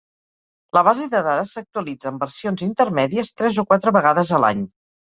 La base de dades s'actualitza amb versions intermèdies tres o quatre vegades a l'any.